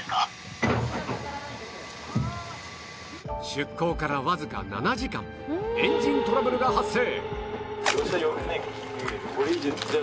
出港からわずか７時間エンジントラブルが発生